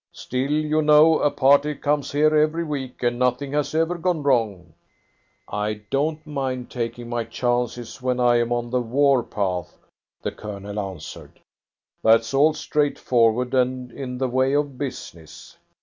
"Still, you know, a party comes here every week, and nothing has ever gone wrong." "I don't mind taking my chances when I am on the war path," the Colonel answered. "That's all straightforward and in the way of business.